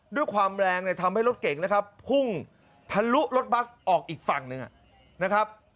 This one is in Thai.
ด้วยความแรงเนี่ยทำให้รถเก่งนะครับพุ่งทะลุรถบัสออกอีกฝั่งหนึ่งนะครับ